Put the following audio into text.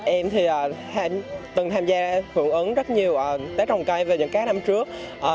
em thì từng tham gia hưởng ứng rất nhiều tết trồng cây vào những các năm trước